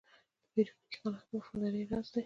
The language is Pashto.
د پیرودونکي قناعت د وفادارۍ راز دی.